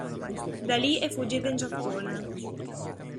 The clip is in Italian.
Da lì è fuggita in Giappone.